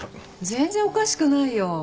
全然おかしくないよ。